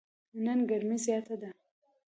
نن ګرمي زیاته ده.